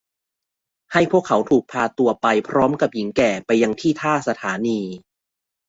ให้พวกเขาถูกพาตัวไปพร้อมกับหญิงแก่ไปยังที่ท่าสถานี